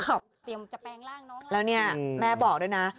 แล้วนี่แม่บอกด้วยนะ